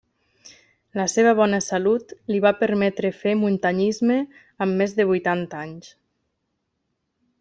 La seva bona salut li va permetre fer muntanyisme amb més de vuitanta anys.